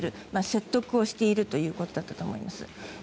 説得をしているということだと思います。